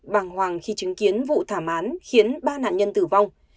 bàng hoàng khi chứng kiến vụ thảm án khiến ba nạn nhân tử vong